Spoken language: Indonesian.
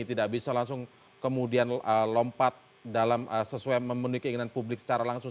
tidak bisa langsung kemudian lompat dalam sesuai memenuhi keinginan publik secara langsung